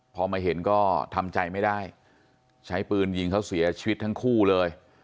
พอมาเห็นก็ทำใจไม่ได้ใช้ปืนยิงเขาเสียชีวิตทั้งคู่เลย